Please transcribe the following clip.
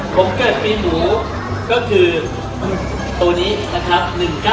ผมเป็นปีหนูมีตรงนี้นะครับ